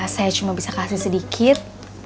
saya cuma bisa kasih sedikit